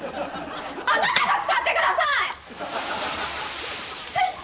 あなたが使ってください！！